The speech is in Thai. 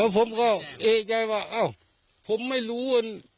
ผมก็เอ้ยกใจว่าผมไม่รู้